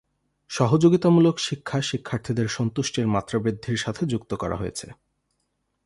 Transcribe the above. সহযোগিতামূলক শিক্ষা শিক্ষার্থীদের সন্তুষ্টির মাত্রা বৃদ্ধির সাথে যুক্ত করা হয়েছে।